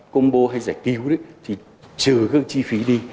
công bố hay giải cứu thì trừ các chi phí đi